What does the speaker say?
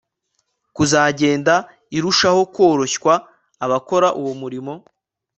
kuzagenda irushaho koroshywa Abakora uwo murimo